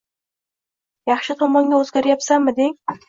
Yaxshi tomonga o’zgarayapsanmi deng.